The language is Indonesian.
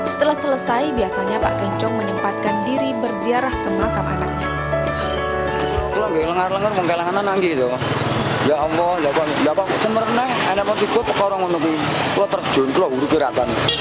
setelah selesai biasanya pak kencong menyempatkan diri berziarah ke makam anaknya